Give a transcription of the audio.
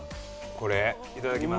これいただきます。